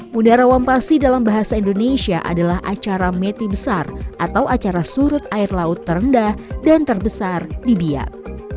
mundara wampasi dalam bahasa indonesia adalah acara meti besar atau acara surut air laut terendah dan terbesar di biak